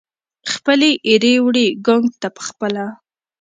خپلې ایرې وړي ګنګ ته پخپله